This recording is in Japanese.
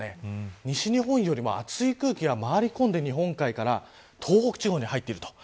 西日本よりもあつい空気が回り込んで日本海から東北地方に入っている。